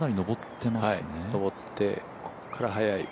上って、ここから速い。